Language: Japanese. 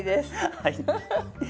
はい。